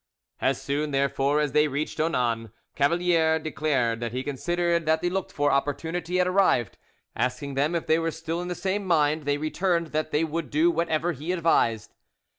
As soon, therefore, as they reached Onnan, Cavalier declared that he considered that the looked for opportunity had arrived, asking them if they were still in the same mind: they returned that they would do whatever he advised.